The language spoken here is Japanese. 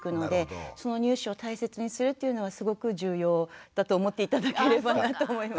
その乳歯を大切にするっていうのはすごく重要だと思って頂ければなと思います。